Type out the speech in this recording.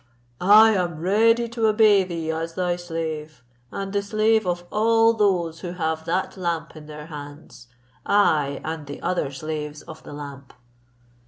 I am ready to obey thee as thy slave, and the slave of all those who have that lamp in their hands; I and the other slaves of the lamp."